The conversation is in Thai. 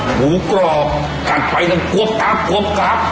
หมูกรอกกัดไปแล้วกรวบกรับกรวบกรับ